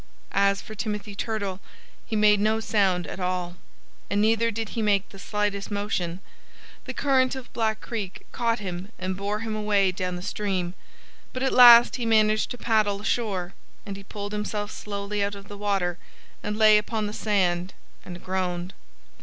As for Timothy Turtle, he made no sound at all. And neither did he make the slightest motion. The current of Black Creek caught him and bore him away down the stream. But at last he managed to paddle ashore. And he pulled himself slowly out of the water, and lay upon the sand and groaned.